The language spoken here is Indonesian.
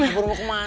kabur mau kemana